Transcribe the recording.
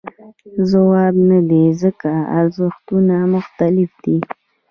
ځواب نه دی ځکه ارزښتونه مختلف دي.